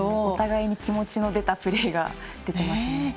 お互いに気持ちの出たプレーが出ていますね。